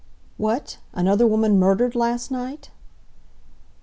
"What? Another woman murdered last night?"